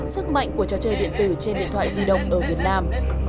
sức mạnh của trò chơi điện tử trên điện thoại di động ở việt nam